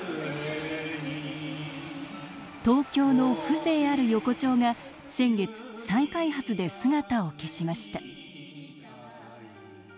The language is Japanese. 東京の風情ある横丁が先月、再開発で姿を消しました。